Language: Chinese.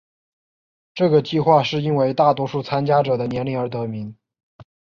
这个计画是因为大多数参加者的年龄而得名。